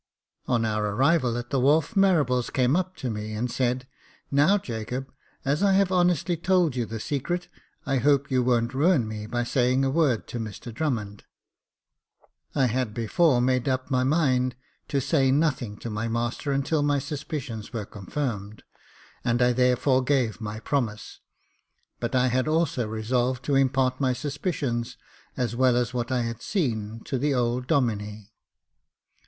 On our arrival at the wharf, Marables came up to me, and said, Now, Jacob, as I have honestly told you the secret, I hope you won't ruin me by saying a word to Mr Drummond." I had before made up my mind to say nothing to my master until my suspicions were confirmed, and I therefore gave my promise ; but I had also resolved to impart my suspicions, as well as what I had seen, to the 6o Jacob Faithful old Domine.